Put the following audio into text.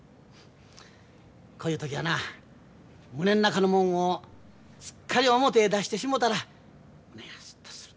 こういう時はな胸の中のもんをすっかり表へ出してしもたら胸がすっとする。